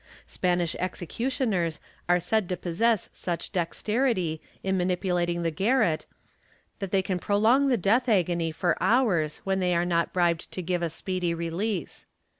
Spanish executioners are said to possess such dexterity in manipulating the garrote that they can prolong the death agony for hours when they are not bribed to give a speedy release.